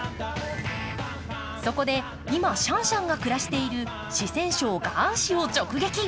そこで、今、シャンシャンが暮らしている四川省雅安市を直撃。